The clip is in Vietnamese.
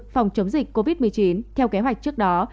phòng chống dịch covid một mươi chín theo kế hoạch trước đó